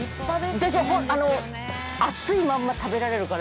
◆私、あの、熱いまんま食べられるから。